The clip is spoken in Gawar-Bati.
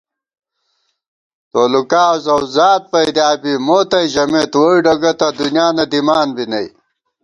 تولُکا زؤزاد پَیدِیا بی مو تئ ژَمېت ووئی ڈگہ تہ دُنیانہ دِمان بی نئ